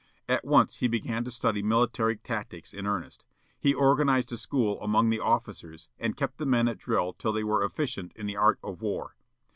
At once he began to study military tactics in earnest. He organized a school among the officers, and kept the men at drill till they were efficient in the art of war.